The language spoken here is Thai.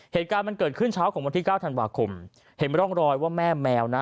เหตุการณ์มันเกิดขึ้นเช้าของวันที่เก้าธันวาคมเห็นร่องรอยว่าแม่แมวนะ